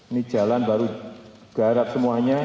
ini jalan baru garap semuanya